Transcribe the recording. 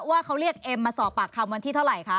ว่าเขาเรียกเอ็มมาสอบปากคำวันที่เท่าไหร่คะ